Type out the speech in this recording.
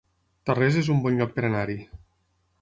Tarrés es un bon lloc per anar-hi